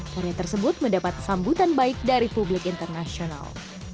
karya tersebut mendapat sambutan baik dari publik internasional